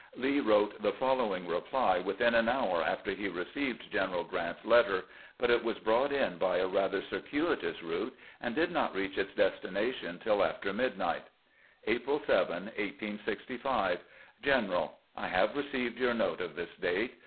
Lee wrote the following reply within an hour after he received General Grant's letter, but it was brought in by a rather circuitous route, and did not reach its destina tion till after midnight : April 7, 1865. General : I have received your note of this date.